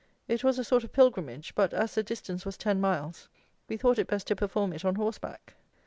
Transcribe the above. It was a sort of pilgrimage; but as the distance was ten miles, we thought it best to perform it on horseback.